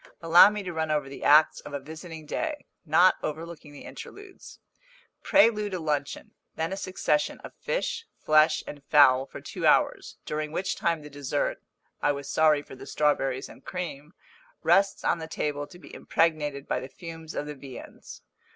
Allow me to run over the acts of a visiting day, not overlooking the interludes. Prelude a luncheon then a succession of fish, flesh, and fowl for two hours, during which time the dessert I was sorry for the strawberries and cream rests on the table to be impregnated by the fumes of the viands.